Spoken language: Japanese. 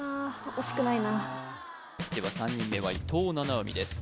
惜しくないなでは３人目は伊藤七海です